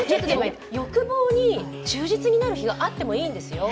欲望に忠実になる日があってもいいんですよ